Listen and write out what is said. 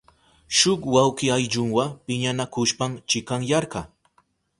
Shuk wawki ayllunwa piñanakushpan chikanyarka.